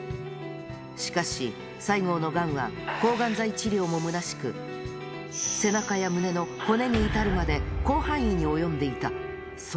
しかし、西郷のがんは抗がん剤治療もむなしく、背中や胸の骨に至るまで広範囲に及んでいた。